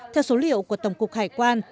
theo số liệu của tổng cục hải quan